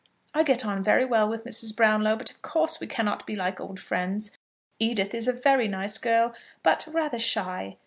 I get on very well with Mrs. Brownlow, but of course we cannot be like old friends. Edith is a very nice girl, but rather shy.